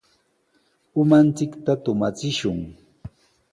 Umanchikta tumachishun.